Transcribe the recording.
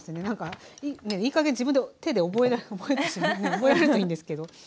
なんかいいかげん自分で手で覚えるといいんですけど。